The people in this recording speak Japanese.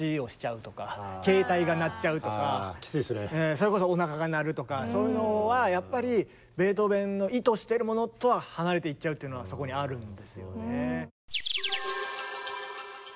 それこそおなかが鳴るとかそういうのはやっぱりベートーベンの意図してるものとは離れていっちゃうっていうのはそこにあるんですよね。